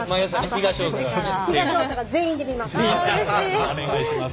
東大阪全員で見ます。